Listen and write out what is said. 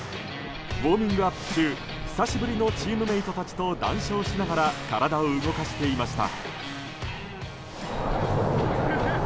ウォーミングアップ中久しぶりのチームメートたちと談笑しながら体を動かしていました。